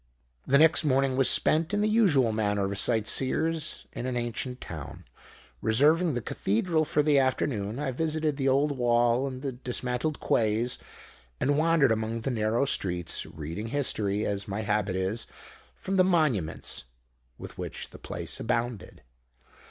"The next morning was spent in the usual manner of sight seers in an ancient town. Reserving the Cathedral for the afternoon, I visited the old wall and the dismantled quays, and wandered among the narrow streets, reading history, as my habit is, from the monuments with which the place abounded.